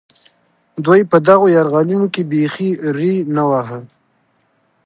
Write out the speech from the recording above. دوی په دغو یرغلونو کې بېخي ري نه واهه.